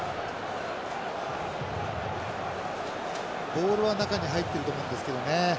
ボールは中に入ってると思うんですけどね。